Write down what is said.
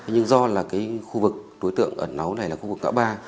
nhưng do là cái khu vực đối tượng ẩn nấu này là khu vực ngã ba